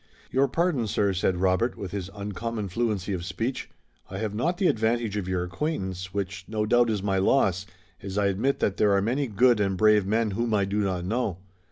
"Your pardon, sir," said Robert, with his uncommon fluency of speech, "I have not the advantage of your acquaintance, which, no doubt, is my loss, as I admit that there are many good and brave men whom I do not know."